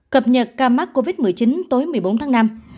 cập nhật ca mắc covid một mươi chín tối một mươi bốn tháng năm